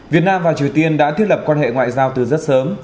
việt nam và triều tiên đã thiết lập quan hệ ngoại giao từ rất sớm